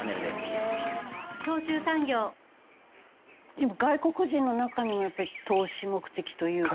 でも外国人の中にもやっぱり投資目的というか。